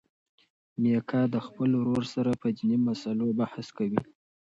میکا د خپل ورور سره په دیني مسلو بحث کوي.